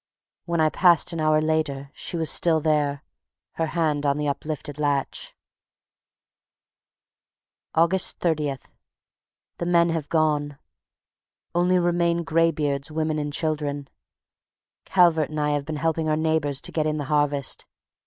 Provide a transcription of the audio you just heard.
When I passed an hour later she was still there, her hand on the uplifted latch. August 30th. The men have gone. Only remain graybeards, women and children. Calvert and I have been helping our neighbors to get in the harvest.